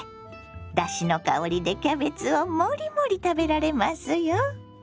だしの香りでキャベツをもりもり食べられますよ。